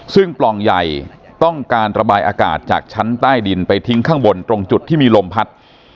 ซึ่งปล่องใหญ่ต้องการระบายอากาศจากชั้นใต้ดินไปทิ้งข้างบนตรงจุดที่มีลมพัด